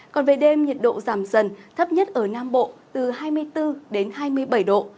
còn về đêm nhiệt độ giảm dần thấp nhất ở nam bộ từ hai mươi bốn đến hai mươi bảy độ